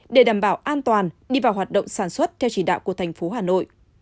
để đảm bảo an toàn đi vào hoạt động sản xuất theo chỉ đạo của thành phố hà nội